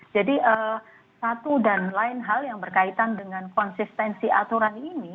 jadi satu dan lain hal yang berkaitan dengan konsistensi aturan ini